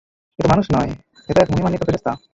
এতো মানুষ নয়, এতো এক মহিমান্বিত ফেরেশতা।